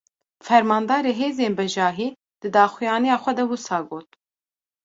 Fermandarê hêzên bejahî, di daxuyaniya xwe de wisa got: